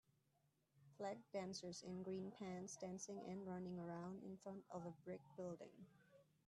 Flag dancers in green pants dancing and running around in front of a brick building